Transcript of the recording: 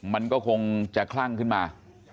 มันก็คงจะคลั่งขึ้นมา